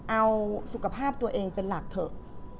เอาสุขภาพตัวเองเป็นหลักเถอะ